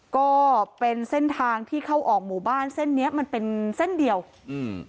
ก็เป็นเส้นทางที่เข้าออกหมู่บ้านเส้นเนี้ยมันเป็นเส้นเดียวอืม